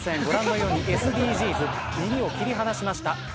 ご覧のようにＳＤＧｓ耳を切り離しました。